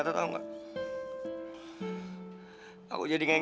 aku super senang